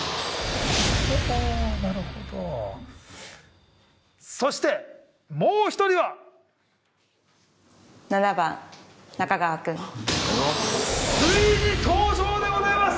ほほうーなるほどそしてもう１人は７番中川君ありがとうございます